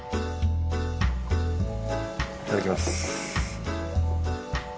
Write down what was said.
いただきます。